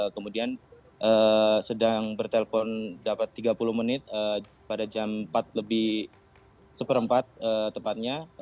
kemudian sedang bertelpon dapat tiga puluh menit pada jam empat lebih seperempat tepatnya